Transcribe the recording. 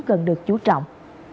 cần được chú trọng